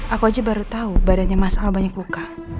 aku aja baru tau badannya mas al banyak luka